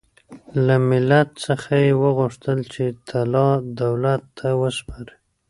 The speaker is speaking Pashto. له ملت څخه یې وغوښتل چې طلا دولت ته وسپاري.